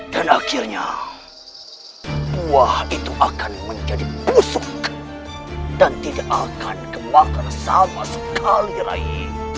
dan akhirnya buah itu akan menjadi busuk dan tidak akan kemakan sama sekali rai